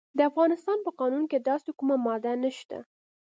د افغانستان په قانون کې داسې کومه ماده نشته.